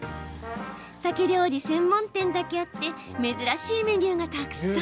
サケ料理専門店だけあって珍しいメニューがたくさん。